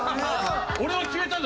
俺は決めたんだ